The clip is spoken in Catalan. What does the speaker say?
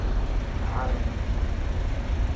A armes!